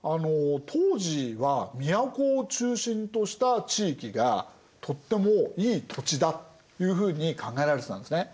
当時は都を中心とした地域がとってもいい土地だというふうに考えられてたんですね。